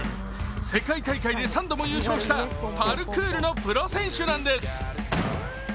世界大会で３度も優勝したパルクールのプロ選手なんです。